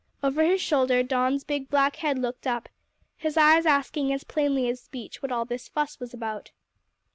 Over his shoulder Don's big black head looked up, his eyes asking as plainly as speech what all this fuss was about.